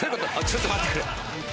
ちょっと待ってくれ。